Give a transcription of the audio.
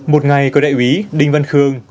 một ngày của đại úy đinh văn khương